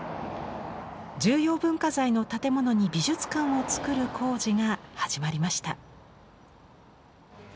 重要文化財の建物に美術館を造る工事が始まりました。